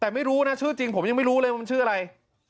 แต่ไม่รู้นะชื่อจริงผมยังไม่รู้เลยว่ามันชื่ออะไร